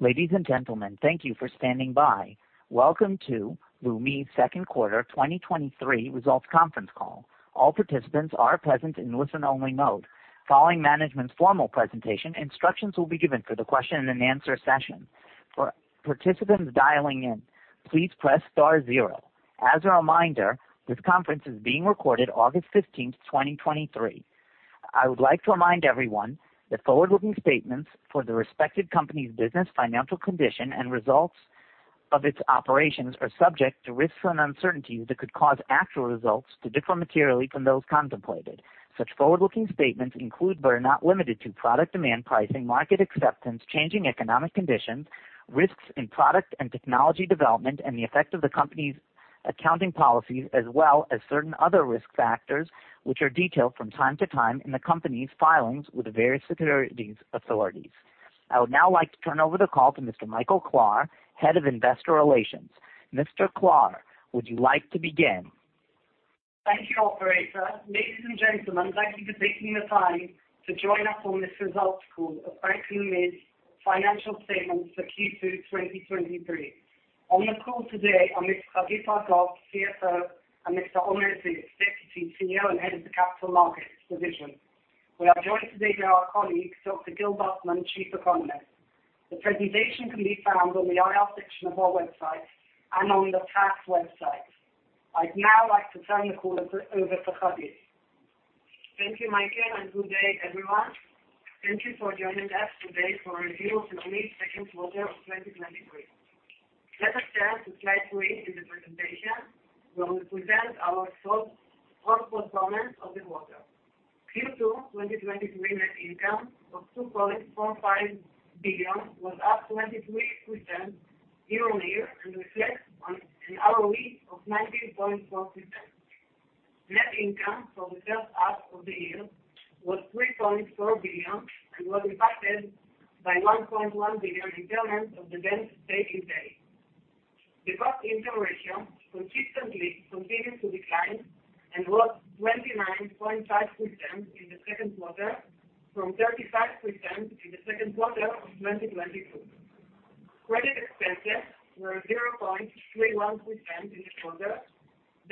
Ladies and gentlemen, thank you for standing by. Welcome to Leumi's second quarter, 2023 results conference call. All participants are present in listen-only mode. Following management's formal presentation, instructions will be given for the question and answer session. For participants dialing in, please press star 0. As a reminder, this conference is being recorded August 15, 2023. I would like to remind everyone that forward-looking statements for the respected company's business, financial condition and results of its operations are subject to risks and uncertainties that could cause actual results to differ materially from those contemplated. Such forward-looking statements include, but are not limited to, product demand pricing, market acceptance, changing economic conditions, risks in product and technology development, and the effect of the company's accounting policies, as well as certain other risk factors, which are detailed from time to time in the company's filings with the various securities authorities. I would now like to turn over the call to Mr. Michael Klahr, Head of Investor Relations. Mr. Klahr, would you like to begin? Thank you, Operator. Ladies and gentlemen, thank you for taking the time to join us on this results call of Bank Leumi's financial statements for Q2, 2023. On the call today are Ms. Hadas Agmon, CFO, and Mr. Omer Ziv, Deputy CEO and Head of the Capital Markets Division. We are joined today by our colleague, Dr. Gil Bufman, Chief Economist. The presentation can be found on the IR section of our website and on the tax website. I'd now like to turn the call over to Hadas. Thank you, Michael, and good day, everyone. Thank you for joining us today for a review of Leumi's second quarter of 2023. Let us turn to Slide three in the presentation, where we present our strong, strong performance of the quarter. Q2 2023 net income of 2.45 billion was up 23% year-on-year and reflects on an ROE of 19.4%. Net income for the first half of the year was 3.4 billion and was impacted by 1.1 billion impairment of the bank's day-to-day. The cost income ratio consistently continued to decline and was 29.5% in the second quarter, from 35% in the second quarter of 2022. Credit expenses were 0.31% in the quarter,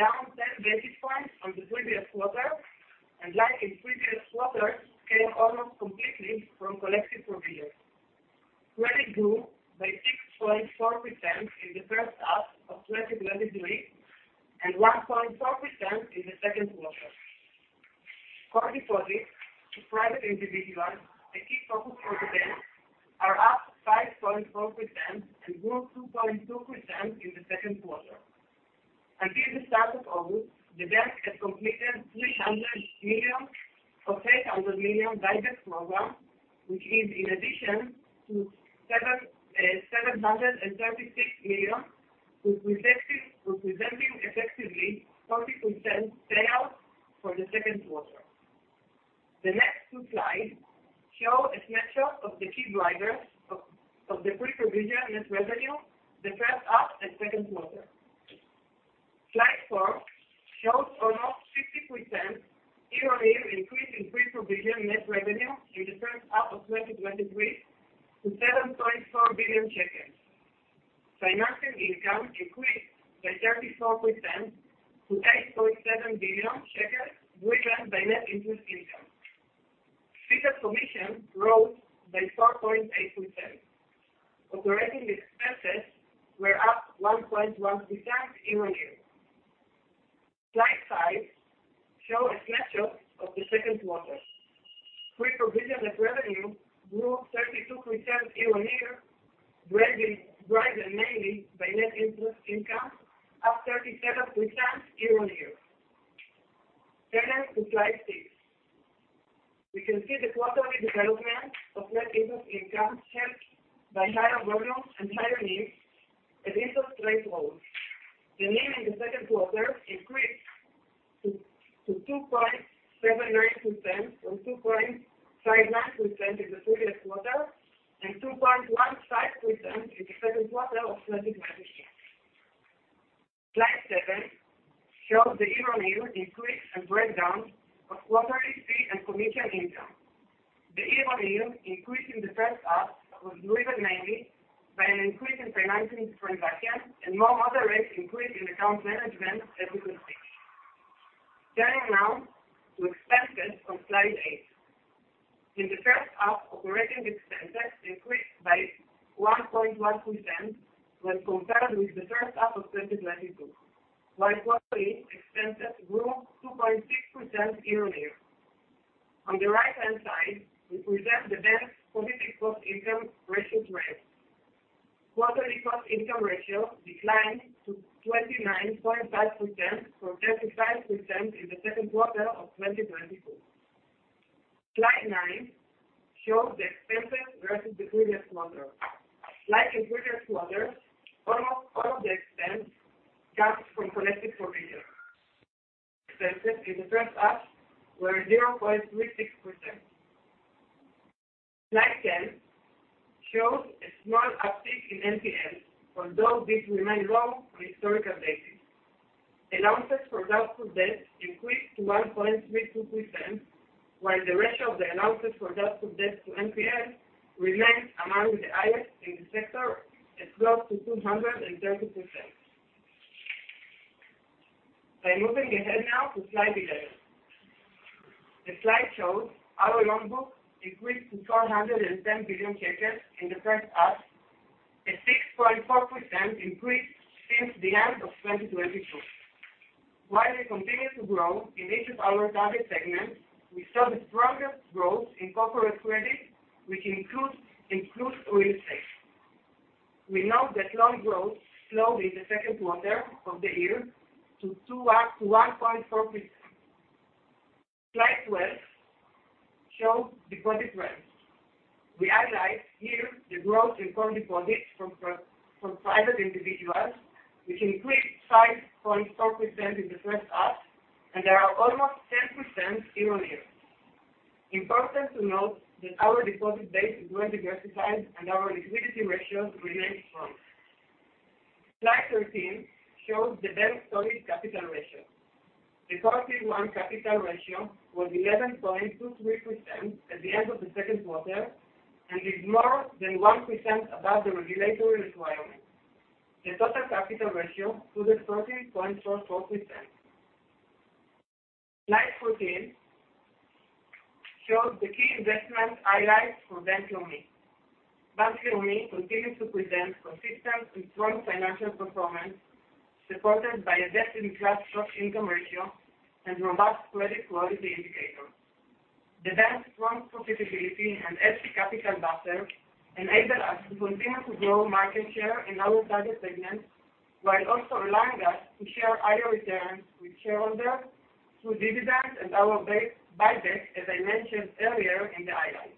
down 10 basis points on the previous quarter, and like in previous quarters, came almost completely from collective provisions. Credit grew by 6.4% in the first half of 2023, and 1.4% in the second quarter. Core deposits to private individuals, a key focus for the bank, are up 5.4% and grew 2.2% in the second quarter. Until the start of August, the bank had completed 300 million of 800 million buyback program, which is in addition to 736 million, representing, representing effectively 40% payout for the second quarter. The next two slides show a snapshot of the key drivers of, of the pre-provision net revenue, the first half and second quarter. Slide four shows almost 50% year-on-year increase in pre-provision net revenue in the first half of 2023, to 7.4 billion shekels. Financing income increased by 34% to 8.7 billion shekels, driven by net interest income. Fees and commission rose by 4.8%. Operating expenses were up 1.1% year-on-year. Slide five show a snapshot of the second quarter. Pre-provision net revenue grew 32% year-on-year, driven mainly by net interest income, up 37% year-on-year. Turn to slide six. We can see the quarterly development of net interest income, helped by higher volumes and higher fees and interest rate growth. The NIM in the second quarter increased to 2.79% from 2.59% in the previous quarter, and 2.15% in the second quarter of 2022. Slide seven shows the year-on-year increase and breakdown of quarterly fee and commission income. The year-on-year increase in the first half was driven mainly by an increase in financing transactions and more other rate increase in account management, as you can see. Turning now to expenses on Slide eight. In the first half, operating expenses increased by 1.1% when compared with the first half of 2022, while quarterly expenses grew 2.6% year-on-year. On the right-hand side, we present the bank's cost-income ratio trend. Quarterly cost-income ratio declined to 29.5% from 35% in the second quarter of 2022. Slide nine shows the expenses versus the previous quarter. Like in previous quarters, almost all of the expense comes from collective provisions. Expenses in the first half were 0.36%. Slide 10 shows a small uptick in NPL, although this remains low on a historical basis. Allowances for doubtful debt increased to 1.32%, while the ratio of the allowances for doubtful debt to NPL remained among the highest in the sector at close to 230%. By moving ahead now to slide 11. The slide shows our loan book increased to 410 billion in the first half, a 6.4% increase since the end of 2022. While we continue to grow in each of our target segments, we saw the strongest growth in corporate credit, which includes real estate. We note that loan growth slowed in the second quarter of the year to 1.4%. Slide 12 shows deposit trends. We highlight here the growth in core deposits from private individuals, which increased 5.4% in the first half, and they are almost 10% year-on-year. Important to note that our deposit base is well diversified, and our liquidity ratios remain strong. Slide 13 shows the bank's solid capital ratio. The Common Equity Tier 1 capital ratio was 11.23% at the end of the second quarter and is more than 1% above the regulatory requirement. The total capital ratio stood at 13.44%. Slide 14 shows the key investment highlights for Bank Leumi. Bank Leumi continues to present consistent and strong financial performance, supported by a best-in-class cost-income ratio and robust credit quality indicators. The bank's strong profitability and excess capital buffer enable us to continue to grow market share in our target segments, while also allowing us to share higher returns with shareholders through dividends and our base buyback, as I mentioned earlier in the highlights.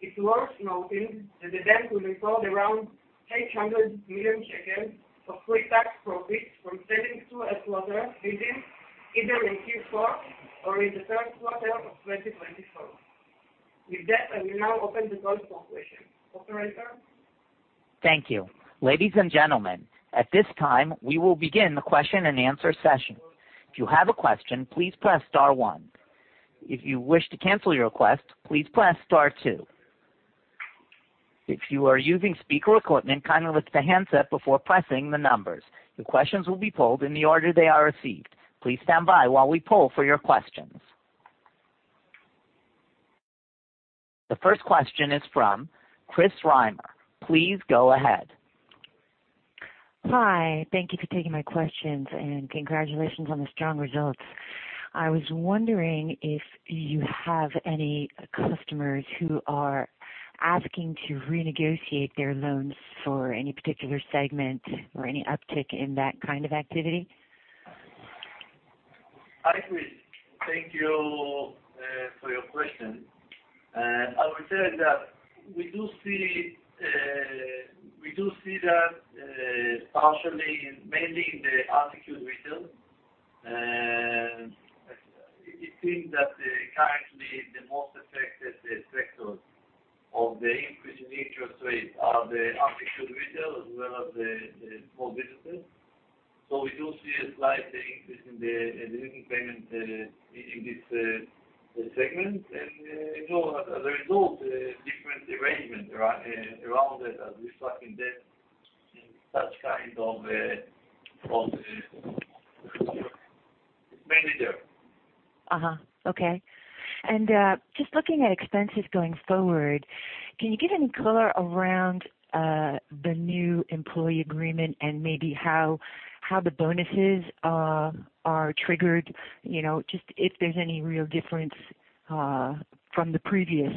It's worth noting that the bank will record around 800 million shekels of pre-tax profits from selling to a quarter within either in Q4 or in the third quarter of 2024. With that, I will now open the floor for questions. Operator? Thank you. Ladies and gentlemen, at this time, we will begin the question-and-answer session. If you have a question, please press star one. If you wish to cancel your request, please press star two. If you are using speaker equipment, kindly lift the handset before pressing the numbers. The questions will be polled in the order they are received. Please stand by while we poll for your questions. The first question is from [Chris Ryan]. Please go ahead. Hi. Thank you for taking my questions. Congratulations on the strong results. I was wondering if you have any customers who are asking to renegotiate their loans for any particular segment or any uptick in that kind of activity? Hi, Chris. Thank you for your question. I would say that we do see, we do see that partially in mainly in the articulate retail. It seems that currently, the most affected sector of the increase in interest rates are the articulate retail as well as the small businesses. We do see a slight increase in the payment in this segment, and, you know, as a result, a different arrangement around it as reflecting debt in such kind of. Mainly there. Okay. Just looking at expenses going forward, can you give any color around the new employee agreement and maybe how, how the bonuses are triggered? You know, just if there's any real difference from the previous.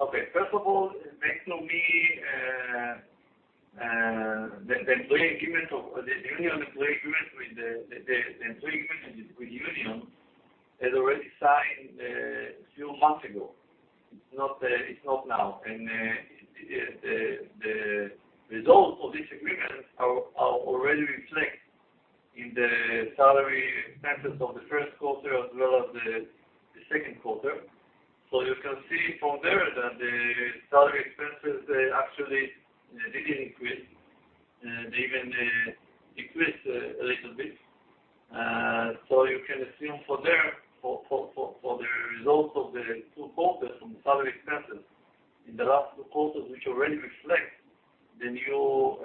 Okay. First of all, Bank Leumi, the employee agreement of the union, the employee agreement with union, has already signed a few months ago. It's not now. The results of this agreement are already reflected in the salary expenses of the first quarter as well as the second quarter. You can see from there that the salary expenses, they actually, they didn't increase, they even decreased a little bit. You can assume for there, for the results of the two quarters from the salary expenses in the last two quarters, which already reflect the new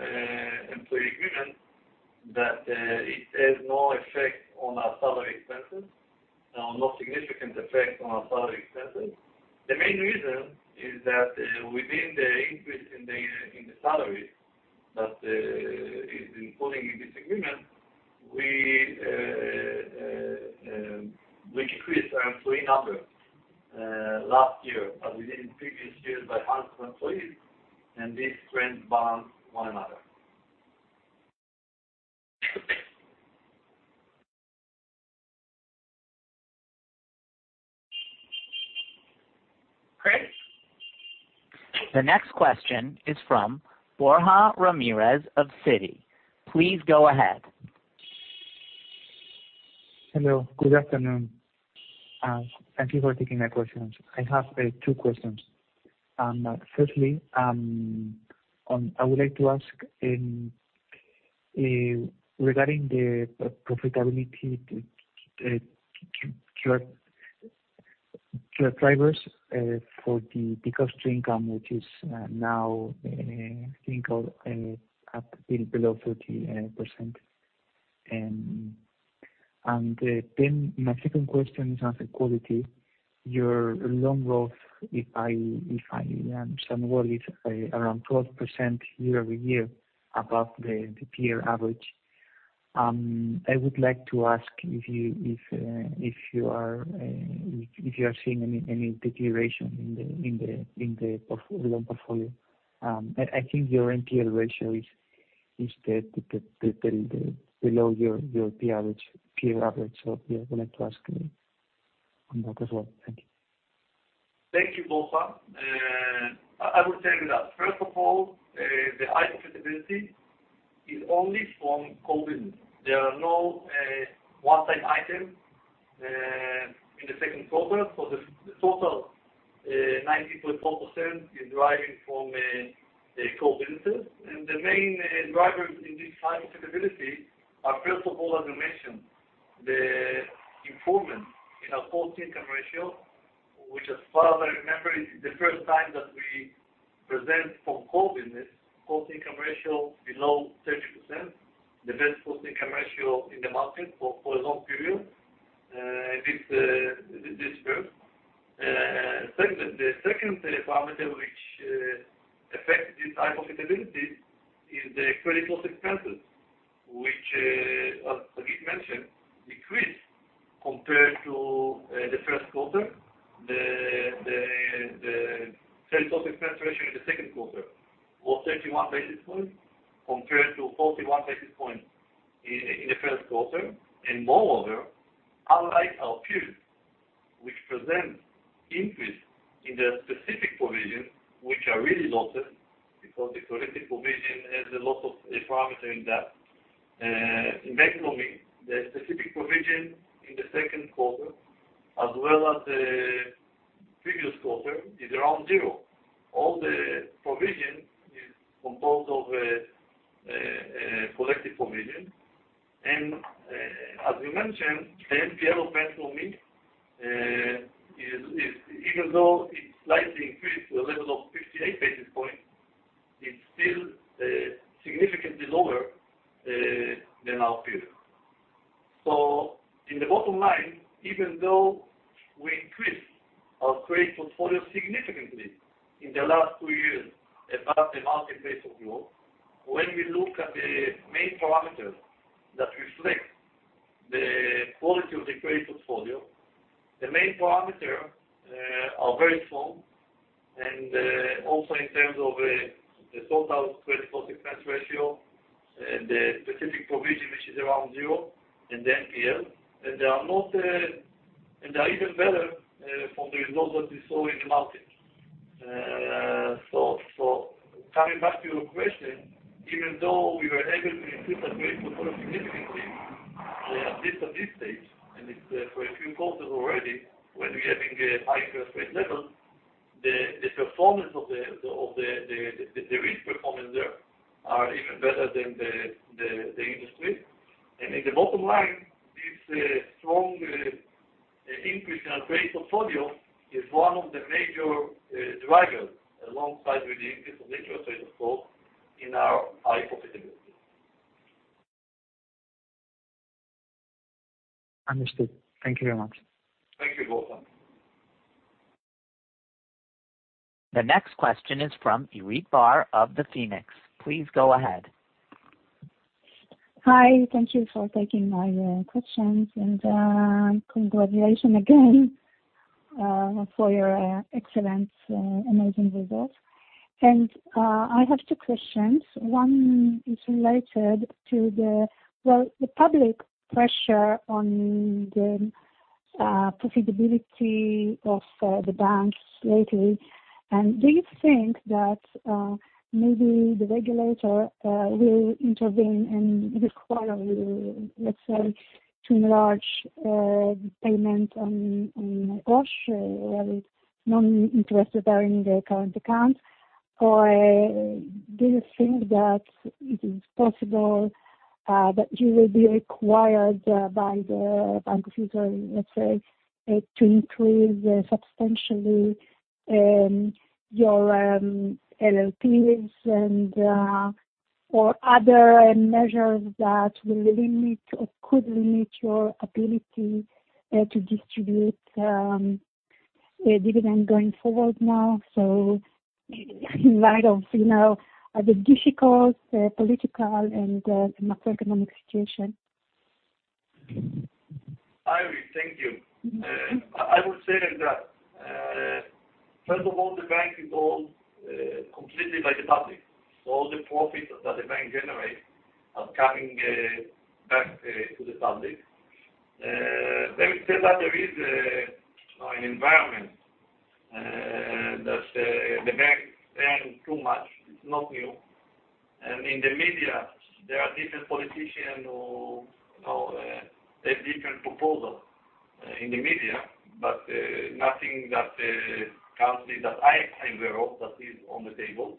employee agreement, that it has no effect on our salary expenses, or no significant effect on our salary expenses. The main reason is that, within the increase in the salary that, is including in this agreement, we decreased our employee number, last year, but within previous years by 100 employees, and this trend balance one another. Chris? The next question is from Borja Ramirez of Citi. Please go ahead. Hello, good afternoon. Thank you for taking my questions. I have two questions. Firstly, I would like to ask regarding the profitability, to your drivers, for the peak cost to income, which is now I think at below 30%. Then my second question is on the quality, your loan growth, if I understand well, is around 12% year-over-year above the peer average. I would like to ask if you, if you are seeing any deterioration in the loan portfolio. I think your NPL ratio is below your peer average. Yeah, I would like to ask on that as well. Thank you. Thank you, Borja. I will tell you that, first of all, the high profitability is only from core business. There are no one-time item in the second quarter. The total 90.4% is driving from the core businesses. The main drivers in this high profitability are, first of all, as you mentioned, the improvement in our cost income ratio, which as far as I remember, is the first time that we present from core business, cost income ratio below 30%, the best cost income ratio in the market for a long period with this group. Second, the second parameter, which affects this high profitability is the credit cost expenses, which as Hadas mentioned, decreased compared to the first quarter. The sales cost expense ratio in the second quarter was 31 basis points, compared to 41 basis points in the first quarter. Moreover, unlike our peers, which present increase in the specific provision, which are really losses, because the collective provision has a lot of parameter in that. In Bank Leumi, the specific provision in the second quarter, as well as the previous quarter, is around 0. All the provision is composed of collective provision. As you mentioned, the NPL of Bank Leumi is even though it slightly increased to a level of 58 basis points, it's still significantly lower than our peer. In the bottom line, even though we increased our credit portfolio significantly in the last two years, above the market base of growth, when we look at the main parameters that reflect the quality of the credit portfolio, the main parameter are very strong. Also in terms of the total credit cost expense ratio and the specific provision, which is around zero, and the NPL. They are even better from the result that we saw in the market. So coming back to your question, even though we were able to increase our credit portfolio significantly, at least at this stage, and it's for a few quarters already, when we are having a high interest rate level, the performance of the risk performance there are even better than the industry. In the bottom line, this strong increase in our credit portfolio is one of the major drivers, alongside with the increase of interest rates, of course, in our high profitability. Understood. Thank you very much. Thank you, Borja. The next question is from [Irit Bar] of The Phoenix. Please go ahead. Hi, thank you for taking my questions, congratulations again for your excellent amazing results. I have two questions. One is related to the, well, the public pressure on the profitability of the banks lately. Do you think that maybe the regulator will intervene and require you, let's say, to enlarge the payment on cash with non-interest bearing the current account? Do you think that it is possible that you will be required by the Supervisor of Banks, let's say, to increase substantially your LLPs or other measures that will limit or could limit your ability to distribute dividend going forward now, so, in light of, you know, the difficult political and macroeconomic situation? Hi, Irit. Thank you. I would say that, first of all, the bank is owned, completely by the public. All the profits that the bank generates are coming back to the public. Let me say that there is an environment that too much, it's not new. In the media, there are different politicians who, who have different proposal in the media, but nothing that currently that I'm aware of, that is on the table.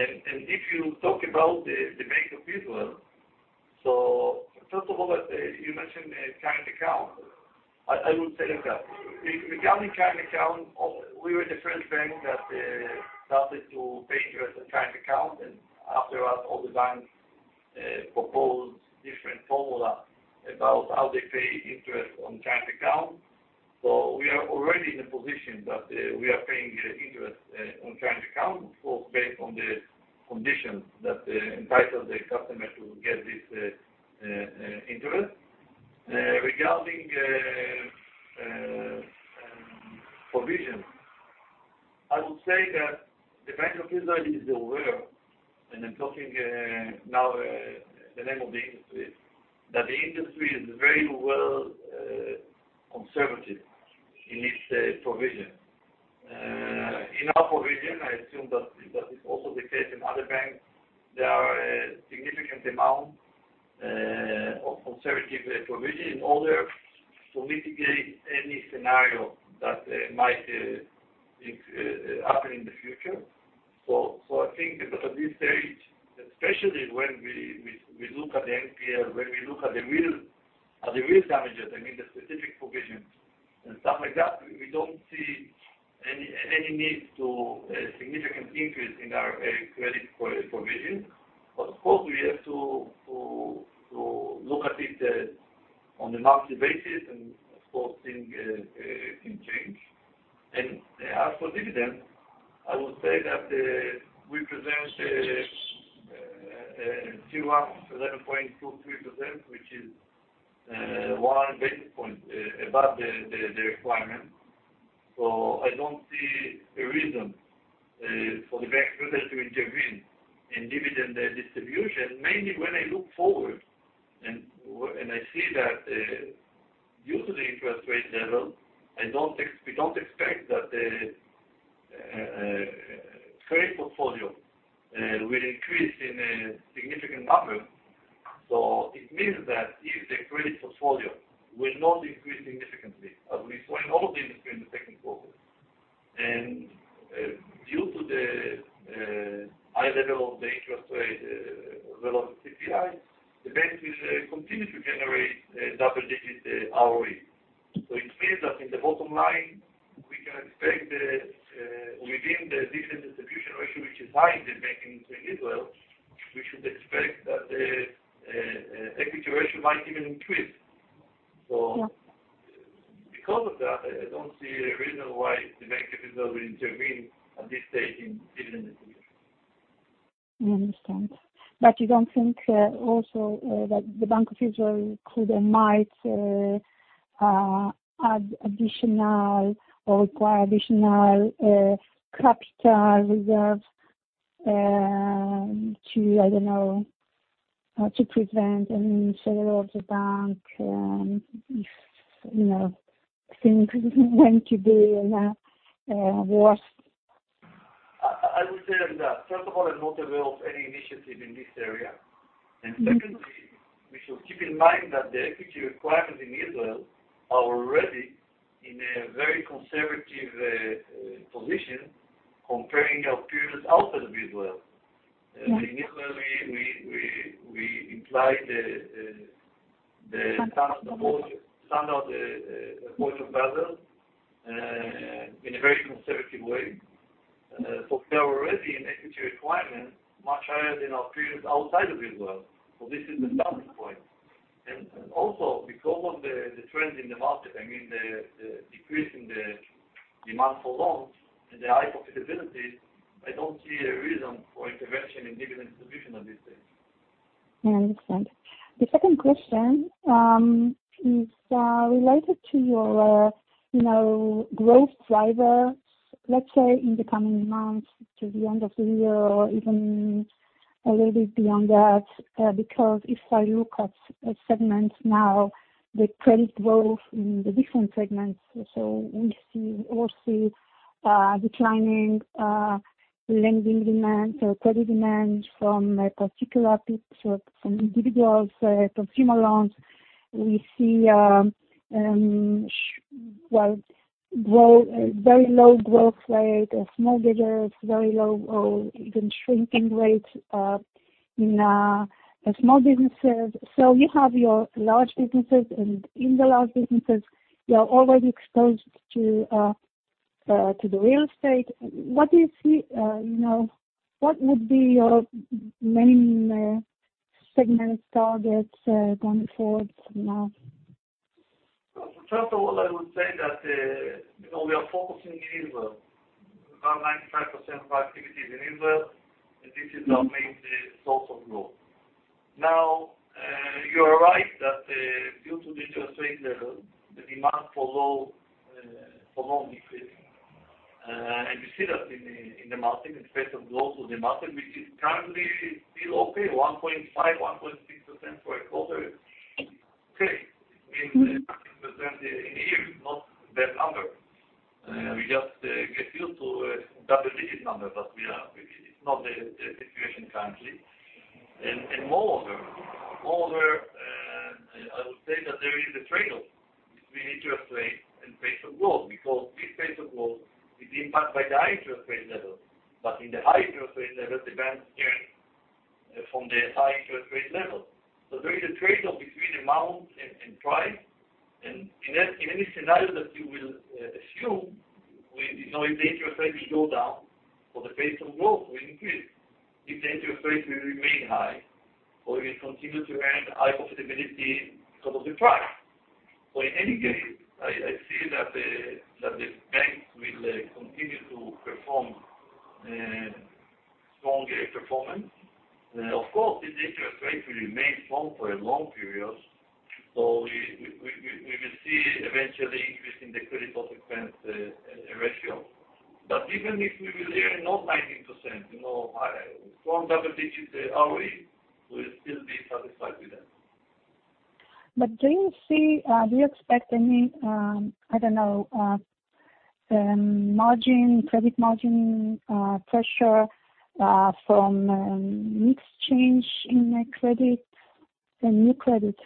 If you talk about the Bank of Israel, first of all, that you mentioned the current account. I will tell you that regarding current account, we were the first bank that started to pay interest and current account. After us, all the banks proposed different formula about how they pay interest on current account. We are already in a position that we are paying interest on current account for based on the conditions that entitle the customer to get this interest. Regarding provision, I would say that the Bank of Israel is aware, and I'm talking now the name of the industry, that the industry is very well conservative in its provision. In our provision, I assume that, that is also the case in other banks, there are a significant amount of conservative provision in order to mitigate any scenario that might happen in the future. I think that at this stage, especially when we look at the NPL, when we look at the real, at the real damages, I mean, the specific provisions and stuff like that, we don't see any, any need to significant increase in our credit provision. Of course, we have to look at it on a monthly basis, and of course, things can change. As for dividend, I will say that we present Q1, 11.23%, which is 1 basis point above the requirement. I don't see a reason for the Bank of Israel to intervene in dividend distribution, mainly when I look forward and I see that due to the interest rate level, I don't we don't expect that the trade portfolio will increase in a significant number. It means that if the credit portfolio will not increase significantly, at least when all the industry in the second quarter, and due to the high level of the interest rate, level of CPI, the bank will continue to generate a double-digit ROE. It means that in the bottom line, we can expect the within the different distribution ratio, which is high in the Bank of Israel, we should expect that the equity ratio might even increase. Because of that, I don't see a reason why the Bank of Israel will intervene at this stage in dividend distribution. I understand. You don't think also that the Bank of Israel could and might add additional or require additional capital reserves, to, I don't know, to prevent any failure of the bank, if, you know, things went today and worse? I would say that, first of all, I'm not aware of any initiative in this area. Secondly, we should keep in mind that the equity requirements in Israel are already in a very conservative position comparing our peers outside of Israel. In Israel, we, we, we apply the standard, the standard, Basel, in a very conservative way. We are already in equity requirement, much higher than our peers outside of Israel. This is the starting point. Also, because of the, the trend in the market, I mean, the, the decrease in the demand for loans and the high profitability, I don't see a reason for intervention in dividend distribution at this stage. I understand. The second question is related to your, you know, growth drivers, let's say, in the coming months to the end of the year, or even a little bit beyond that, because if I look at, at segments now, the credit growth in the different segments, we see declining lending demand or credit demand from a particular peak, from individuals, consumer loans, we see very low growth rate, mortgages, very low or even shrinking rates in small businesses. You have your large businesses, and in the large businesses, you are already exposed to the real estate. What do you see, you know... What would be your main segment targets going forward now? First of all, I would say that, you know, we are focusing in Israel. About 95% of our activity is in Israel, and this is our main source of growth. Now, you are right that, due to the interest rate level, the demand for low, for loan decreasing, and you see that in the market, in fact, of growth in the market, which is currently still okay, 1.5%, 1.6% for a quarter, in percent in a year, not that number. We just get used to double-digit numbers, but we are, it's not the situation currently. Moreover, moreover, I would say that there is a trade-off between interest rate and pace of growth, because this pace of growth is impacted by the high interest rate level. In the high interest rate level, the banks earn from the high interest rate level. There is a trade-off between amount and price. In any scenario that you will assume, we know if the interest rate will go down or the pace of growth will increase, if the interest rate will remain high, or we continue to earn high profitability because of the price. In any case, I see that the banks will continue to perform strong performance. Of course, if the interest rate will remain strong for a long period, so we will see eventually increase in the credit loss expense ratio. Even if we will earn not 19%, you know, high, strong double digits, ROE, we'll still be satisfied with that. Do you see, do you expect any, I don't know, margin, credit margin, pressure, from mix change in credit and new credit?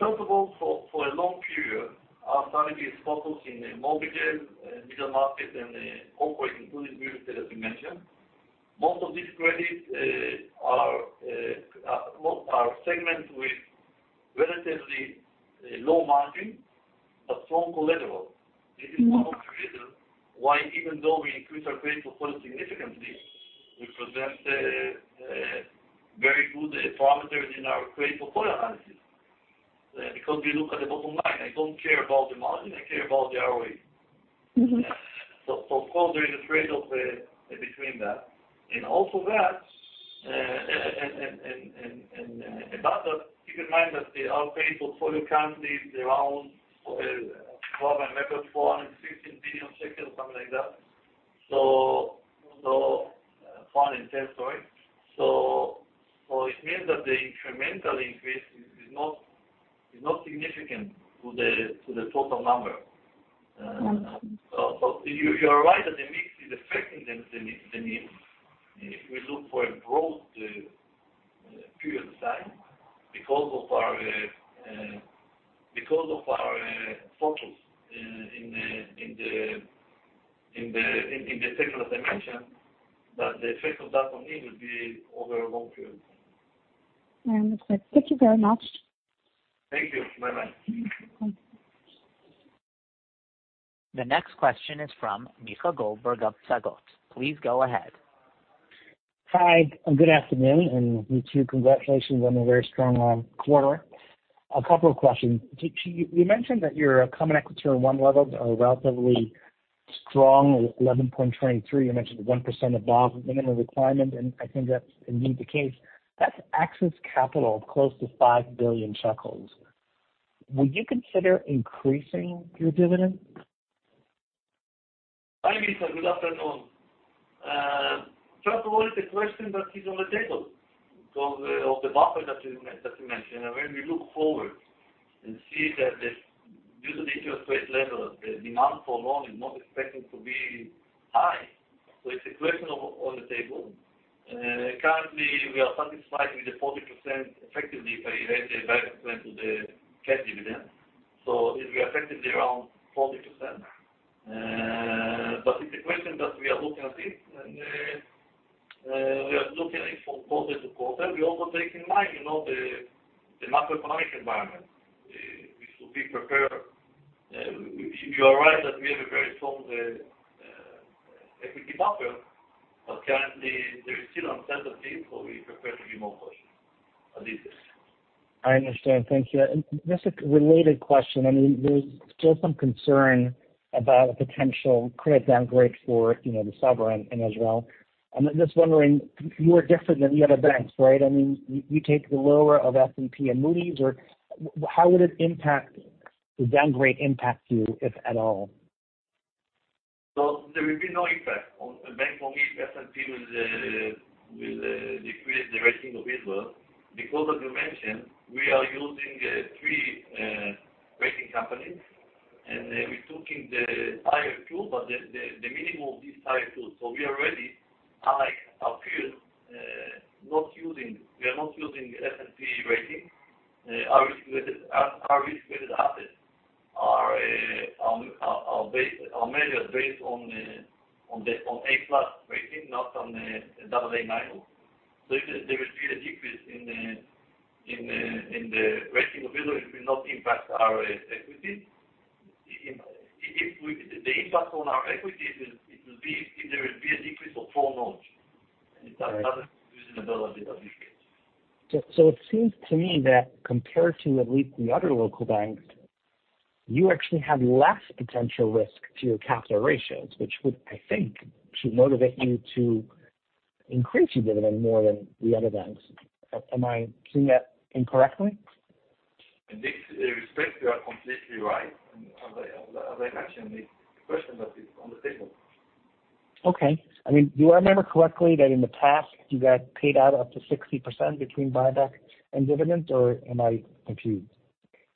First of all, for a long period, our strategy is focused in the mortgages, middle market, and the corporate, including real estate, as you mentioned. Most of these credits are most are segments with relatively low margin, but strong collateral. This is one of the reason why even though we increase our credit portfolio significantly, we present a very good parameters in our credit portfolio analysis. Because we look at the bottom line, I don't care about the margin, I care about the ROE. Of course, there is a trade-off between that. Also that, about that, keep in mind that our credit portfolio currently is around 4.6 billion shekels, something like that. 4.10 billion, sorry. It means that the incremental increase is not significant to the total number. You're right that the mix is affecting the, the, the mix. If we look for a growth period of time, because of our focus in the sectors I mentioned, that the effect of that on me will be over a long period. Yeah, that's it. Thank you very much. Thank you. Bye-bye. Thanks. The next question is from Micha Goldberg of Psagot. Please go ahead. Hi, and good afternoon, and you two, congratulations on a very strong, quarter. A couple of questions. You mentioned that your common equity on one level are relatively strong, 11.23%. You mentioned 1% above the minimum requirement, and I think that's indeed the case. That's excess capital of close to 5 billion shekels. Would you consider increasing your dividend? Hi, Michael. Good afternoon. First of all, it's a question that is on the table because of the buffer that you mentioned. When we look forward and see that due to the interest rate level, the demand for loan is not expected to be high. It's a question on the table. Currently, we are satisfied with the 40%, effectively, if I relate the bank to the cash dividend. It we are effectively around 40%. It's a question that we are looking at it, and we are looking it for quarter-to-quarter. We also take in mind, you know, the macroeconomic environment. We should be prepared. You are right that we have a very strong equity buffer, but currently, there is still uncertainty, so we prefer to be more cautious at this stage. I understand. Thank you. Just a related question, I mean, there's still some concern about a potential credit downgrade for, you know, the sovereign in Israel. I'm just wondering, you are different than the other banks, right? I mean, you, you take the lower of S&P and Moody's, or how would it impact, the downgrade impact you, if at all? There will be no impact on Bank Leumi, if S&P will, will decrease the rating of Israel, because as you mentioned, we are using, three rating companies, and we're taking the higher two, but the minimum of these higher two. We already are, like, a field, not using, we are not using S&P rating. Our risk-weighted, our risk-weighted assets are, are based, are measured based on the, on the, on A+ rating, not on the AA-. There will be a decrease in the, in the, in the rating of Israel, it will not impact our equity. The impact on our equity, it will be, there will be a decrease of four notch. Right. It's not using another indication. It seems to me that compared to at least the other local banks, you actually have less potential risk to your capital ratios, which would, I think, should motivate you to increase your dividend more than the other banks. Am I seeing that incorrectly? In this respect, you are completely right. As I mentioned, it's a question that is on the table. Okay. I mean, do I remember correctly that in the past, you got paid out up to 60% between buyback and dividend, or am I confused?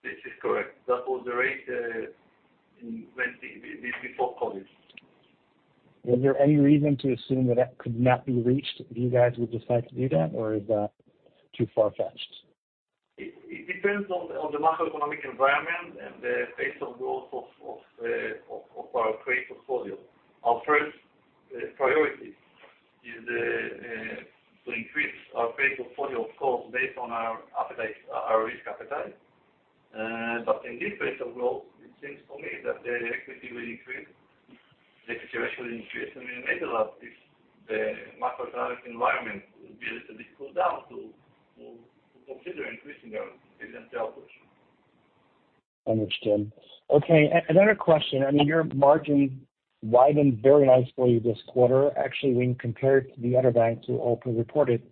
This is correct. That was the rate, in when before COVID. Is there any reason to assume that, that could not be reached, if you guys would decide to do that, or is that too far-fetched? It depends on the macroeconomic environment and the pace of growth of our trade portfolio. Our first priority is to increase our trade portfolio, of course, based on our appetite, our risk appetite. But in this rate of growth, it seems to me that the equity will increase, the situation will increase, and we may allow if the macroeconomic environment will be a little bit cooled down to consider increasing our dividend payout. Understood. Okay, another question. I mean, your margin widened very nicely this quarter. Actually, when compared to the other banks who all reported,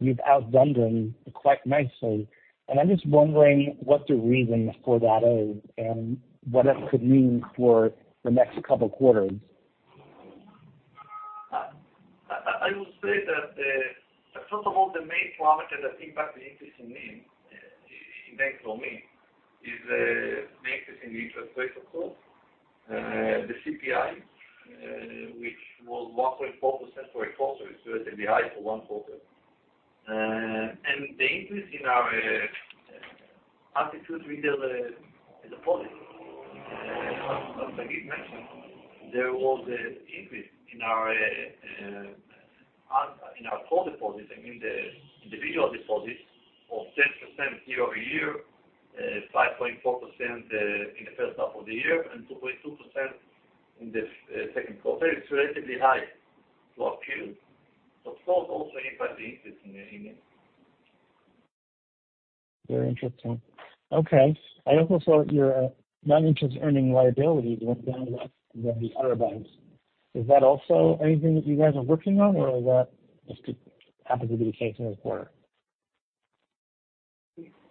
you've outdone them quite nicely. I'm just wondering what the reason for that is, and what that could mean for the next couple quarters? I will say that, first of all, the main parameter that impact the increase in NIM, in Bank Leumi, is the increase in the interest rate, of course, the CPI, which was 1.4% for a quarter, it's relatively high for one quarter. The increase in our aptitude with the deposit. As I mentioned, there was a increase in our core deposits, I mean the individual deposits of 10% year-over-year, 5.4%, in the first half of the year, and 2.2% in the second quarter. It's relatively high for a few, but of course, also impact the increase in the NIM. Very interesting. Okay. I also saw your non-interest bearing liability went down than the other banks. Is that also anything that you guys are working on, or is that just happened to be the case in this quarter?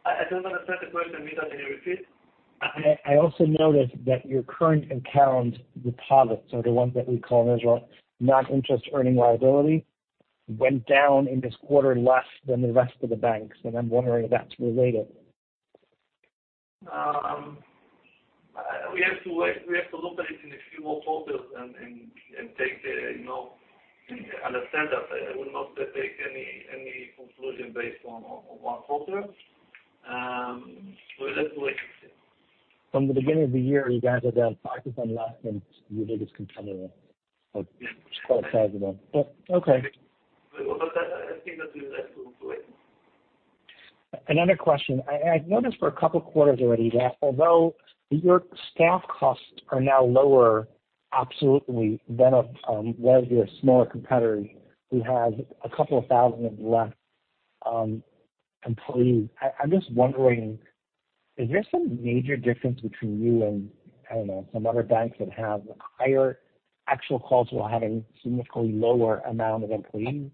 I don't understand the question, Micha, can you repeat? I also noticed that your current and count deposits, or the ones that we call in Israel, non-interest bearing liability, went down in this quarter less than the rest of the banks, and I'm wondering if that's related? We have to wait. We have to look at it in a few more quarters and take the, you know, understand that I will not take any conclusion based on one quarter. We'll just wait and see. From the beginning of the year, you guys are down 5% less than your biggest competitor. Quite sizable, but okay. I, I think that we will have to wait. Another question. I, I've noticed for a couple of quarters already, that although your staff costs are now lower, absolutely, than one of your smaller competitor, who has a couple of thousand less employees. I, I'm just wondering, is there some major difference between you and, I don't know, some other banks that have higher actual costs, while having significantly lower amount of employees?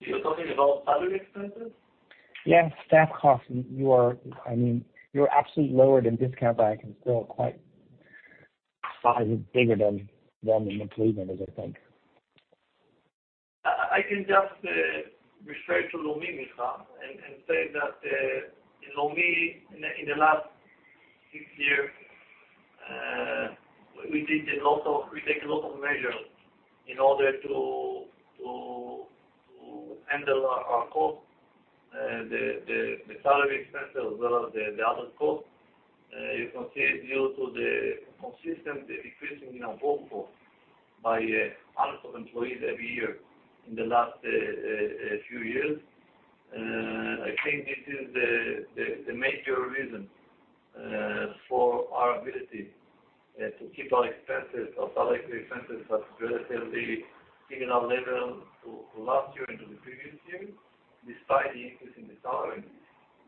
You're talking about salary expenses? Yes, staff costs. I mean, you're absolutely lower than Israel Discount Bank and still quite size bigger than the employment, I think. I can just refer to Leumi, Micha, and say that in Leumi, in the last six years, we did a lot of. We take a lot of measures in order to handle our costs, the salary expenses as well as the other costs. You can see due to the consistent decreasing in our workforce by hundreds of employees every year in the last few years. I think this is the major reason for our ability to keep our expenses, our salary expenses, at relatively similar level to last year and to the previous year, despite the increase in the salary.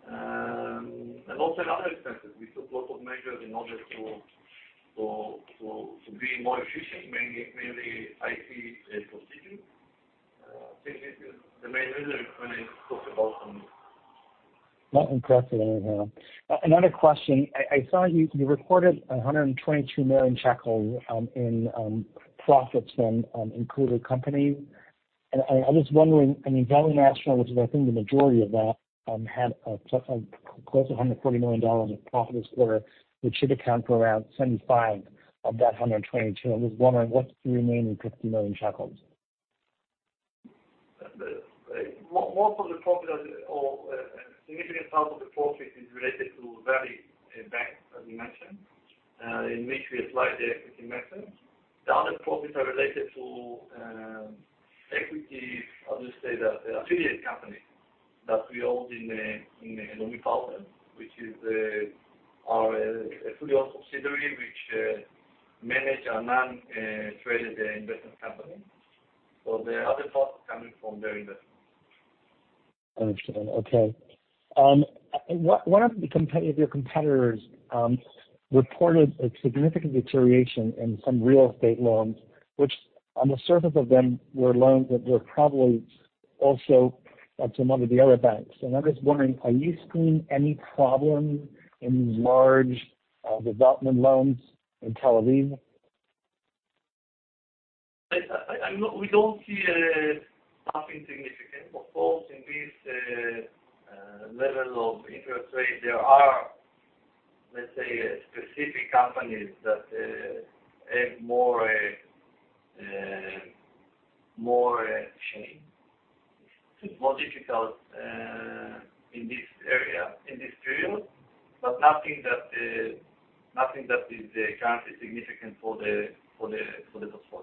And also in other expenses, we took lot of measures in order to be more efficient, mainly, mainly IT procedures. I think this is the main reason when I talk about Leumi. Not impressive anyhow. Another question, I saw you recorded 122 million shekels in profits from included companies. I'm just wondering, I mean, Valley National, which is, I think the majority of that, had close to $140 million of profit this quarter, which should account for around 75 of that 122. I'm just wondering, what's the remaining 50 million shekels? The most of the profit or significant part of the profit is related to Valley National Bank, as you mentioned, in which we applied the equity method. The other profits are related to equities, affiliate company that we hold in a Leumi Partners, which is a fully owned subsidiary, which manage our non-traded investment company. The other profit coming from their investments. Understood. Okay. One of the competitive competitors, reported a significant deterioration in some real estate loans, which on the surface of them, were loans that were probably also at some of the other banks. I'm just wondering, are you seeing any problem in these large, development loans in Tel Aviv? I we don't see nothing significant. Of course, in this level of interest rate, there are, let's say, specific companies that have more, more challenge. It's more difficult in this area, in this period, but nothing that nothing that is currently significant for the portfolio.